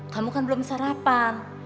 kamu kan belum sarapan